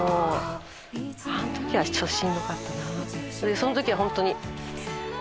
そのときはホントに。